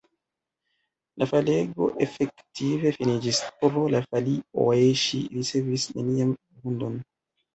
La falego efektive finiĝis! Pro la folioj ŝi ricevis nenian vundon.